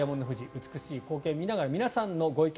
美しい光景を見ながら皆さんのご意見